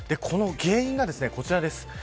原因がこちらです。